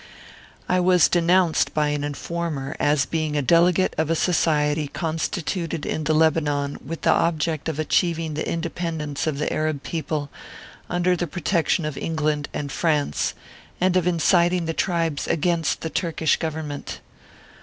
I was denounced by an informer as being a delegate of a Society constituted in the Lebanon with the object of achieving the independence of the Arab people, under the protection of England and France, and of inciting the tribes against the Turkish Government.